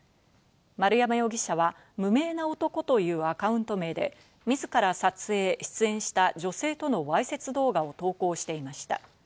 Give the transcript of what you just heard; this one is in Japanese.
丸山容疑者は「無名な男」というアカウント名で自ら撮影、出演した女性とのわいせつ動画を投稿していました。